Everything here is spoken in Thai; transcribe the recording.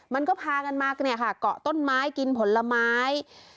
มันก็พากันมาเนี่ยค่ะเกาะต้นไม้กินผลไม้